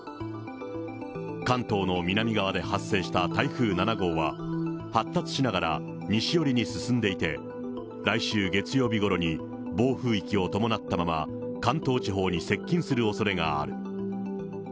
関東の南側で発生した台風７号は、発達しながら西寄りに進んでいて、来週月曜日ごろに、暴風域を伴ったまま、関東地方に接近するおそれがある。